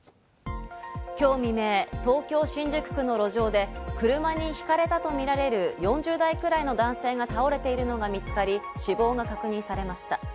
今日未明、東京・新宿区の路上で車にひかれたとみられる４０代くらいの男性が倒れているのが見つかり、死亡が確認されました。